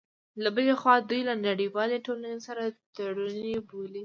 له بلې خوا، دوی له نړیوالې ټولنې سره تړوني بولي